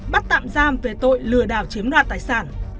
bắt tạm giam về tội lừa đảo chiếm đoạt tài sản